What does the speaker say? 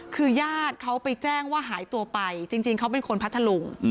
คือญาติเขาไปแจ้งว่าหายตัวไปจริงเขาเป็นคนพัทธลุง